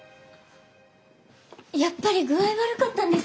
やっぱり具合悪かったんですね。